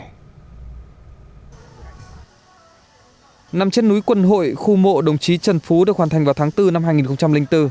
nằm trên núi quân hội khu mộ đồng chí trần phú được hoàn thành vào tháng bốn năm hai nghìn bốn